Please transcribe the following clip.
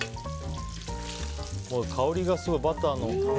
香りがすごい、バターの。